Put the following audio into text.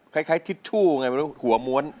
คล้ายทิตทูไงหัวม้วน